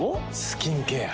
スキンケア。